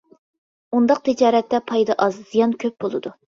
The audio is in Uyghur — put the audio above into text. ئۇنداق تىجارەتتە پايدا ئاز، زىيان كۆپ بولىدۇ.